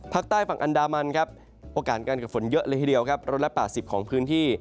ภาคใต้ฝั่งอันดามันโอกาสการเกิดฝนเยอะละ๘๐ของพื้นที่